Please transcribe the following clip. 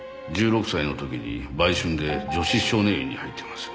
１６歳の時に売春で女子少年院に入っています。